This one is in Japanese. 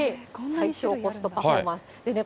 最強コストパフォーマンス。